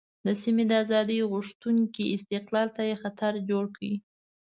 د سیمې د آزادۍ غوښتونکو استقلال ته یې خطر جوړ کړ.